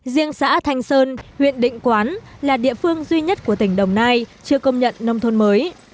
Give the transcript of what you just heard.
riêng xã thanh sơn huyện định quán là địa phương duy nhất của tỉnh đồng nai chưa công nhận nông thôn mới